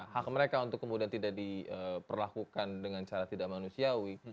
hak mereka untuk kemudian tidak diperlakukan dengan cara tidak manusiawi